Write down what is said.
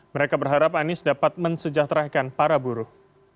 mereka berharap anies dapat mensejahterakan para buruh